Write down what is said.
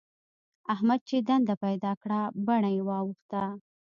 احمد چې دنده پيدا کړه؛ بڼه يې واوښته.